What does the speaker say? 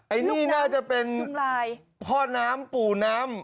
อันนี้น่าจะเป็นพ่อน้ำปู่น้ำ